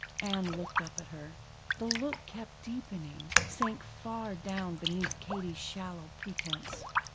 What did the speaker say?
Ann looked up at her. The look kept deepening, sank far down beneath Katie's shallow pretense.